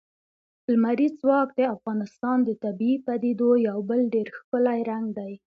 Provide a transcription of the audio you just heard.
لمریز ځواک د افغانستان د طبیعي پدیدو یو بل ډېر ښکلی رنګ دی.